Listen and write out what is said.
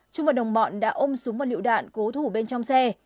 trung và đồng bọn đã ôm súng vật liệu đạn cố thủ bên trong xe